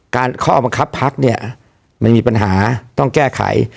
ข้อบังคับพักเนี่ยมันมีปัญหาต้องแก้ไข